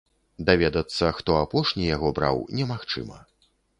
Даведацца, хто апошні яго браў, немагчыма.